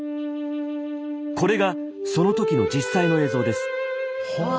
これがその時の実際の映像です。